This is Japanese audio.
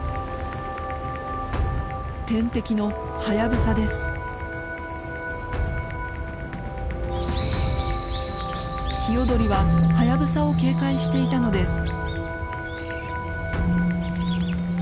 天敵のヒヨドリはハヤブサを警戒していたのです。